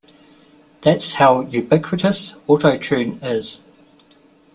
That's how ubiquitous Auto-Tune is.